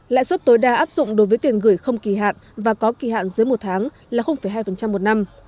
lãi suất tối đa áp dụng đối với tiền gửi không kỳ hạn và có kỳ hạn dưới một tháng là hai một năm